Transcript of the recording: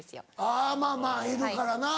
あぁまぁまぁいるからな。